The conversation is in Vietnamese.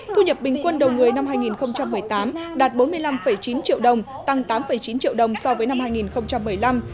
thu nhập bình quân đầu người năm hai nghìn một mươi tám đạt bốn mươi năm chín triệu đồng tăng tám chín triệu đồng so với năm hai nghìn một mươi năm